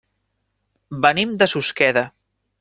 Venim de Susqueda.